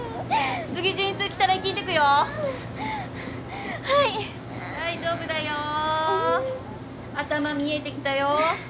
次陣痛きたらいきんでくよはい大丈夫だよ頭見えてきたよ